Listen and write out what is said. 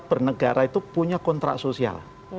bernegara itu punya kontrak sosial